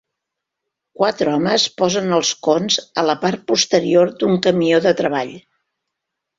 Quatre homes posen els cons a la part posterior d'un camió de treball